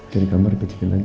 jadi kamu harus pijetin lagi